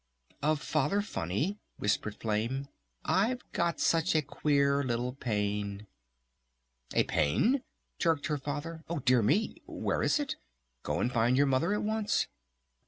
"Of Father Funny," whispered Flame, "I've got such a queer little pain." "A pain?" jerked her Father. "Oh dear me! Where is it? Go and find your Mother at once!"